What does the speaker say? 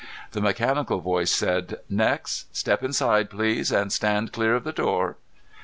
The mechanical voice said, "Next. Step inside, please, and stand clear of the door."